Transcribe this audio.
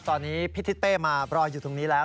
ตอนนี้พี่ทิศเป้มารออยู่ตรงนี้แล้ว